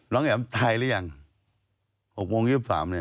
น้องหย่ำตายแล้วยัง๖โมง๒๓เนี่ยของวันที่๒๓